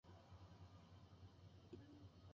おでんマジでうまいよ